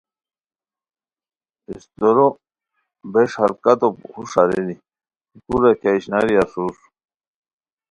استورو بیݰحرکتو ہوݰ ارینی کی کورا کیہ اشناری اسور